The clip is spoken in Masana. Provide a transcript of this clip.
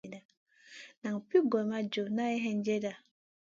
Naʼ pug gor ma jufma hay hendjena.